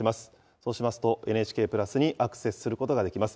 そうしますと、ＮＨＫプラスにアクセスすることができます。